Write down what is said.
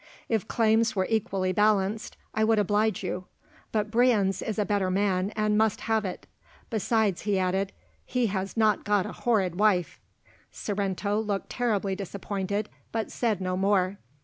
If claims were equally balanced, I would oblige you; but Brienz is a better man and must have it. Besides," he added, "he has not got a horrid wife." Sorrento looked terribly disappointed but said no more.